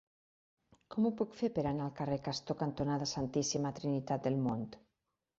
Com ho puc fer per anar al carrer Castor cantonada Santíssima Trinitat del Mont?